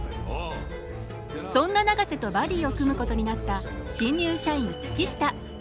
そんな永瀬とバディを組むことになった新入社員月下。